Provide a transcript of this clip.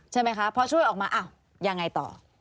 ใช่ไหมคะพอช่วยออกมาอ้าวยังไงต่อ